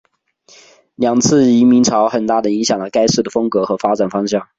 两次移民潮很大的影响了该市的风格和发展方向。